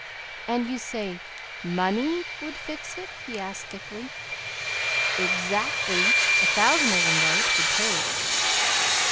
"And you say MONEY would fix it?" he asked thickly. "Ex ACT ly! a thousand o' them, though, 't would take."